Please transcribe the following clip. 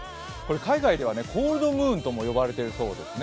海外ではコールドムーンとも呼ばれているそうですね。